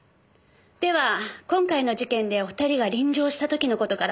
では今回の事件でお二人が臨場した時の事からお伺いします。